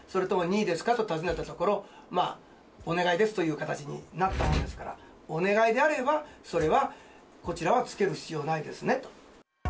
と尋ねたところ、まあ、お願いですという形になったわけですから、お願いであれば、それはこちらは着ける必要はないですねと。